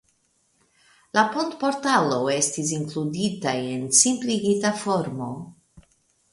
La pontportalo estis inkludita en simpligita formo.